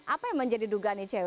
apa yang menjadi duga nih cw